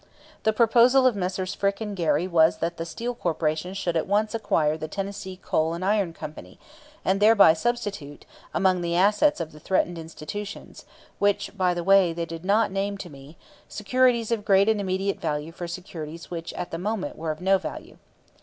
The proposal of Messrs. Frick and Gary was that the Steel Corporation should at once acquire the Tennessee Coal and Iron Company, and thereby substitute, among the assets of the threatened institutions (which, by the way, they did not name to me), securities of great and immediate value for securities which at the moment were of no value.